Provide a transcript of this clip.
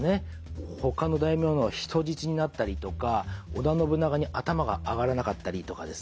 ほかの大名の人質になったりとか織田信長に頭が上がらなかったりとかですね。